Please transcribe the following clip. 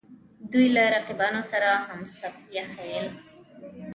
دوی له رقیبانو سره همسویه ښييل